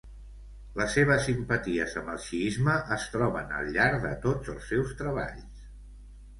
Les seves simpaties amb el xiisme es troben al llarg de tots els seus treballs.